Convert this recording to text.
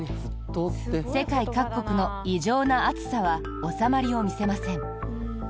世界各国の異常な暑さは収まりを見せません。